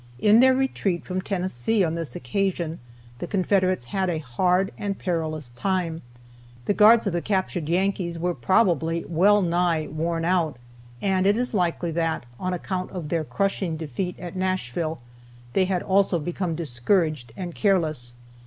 In their retreat from Tennessee on this occasion, the Confederates had a hard and perilous time. The guards of the captured Yankees were probably well nigh worn out, and it is likely that, on account of their crushing defeat at Nashville, they had also become discouraged and careless.